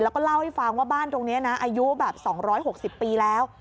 แล้วก็เล่าให้ฟังว่าบ้านตรงนี้นะอายุแบบ๒๖๐ปีแล้ว